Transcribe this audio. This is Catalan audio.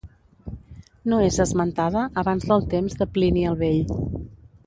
No és esmentada abans del temps de Plini el Vell.